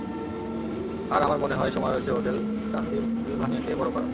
আর আমার মনে হয়, সময় হয়েছে হোটেল ট্রান্সিল্ভানিয়াকে, বড় করার!